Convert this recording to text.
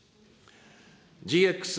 ＧＸ